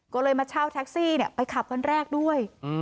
ก็เลยมาเช่าแท็กซี่ไปขับวันแรกด้วย